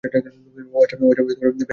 ও আচ্ছা, বেশ মজাদার ছিলো।